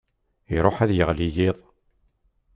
Iṛuḥ ad yeɣli yiḍ.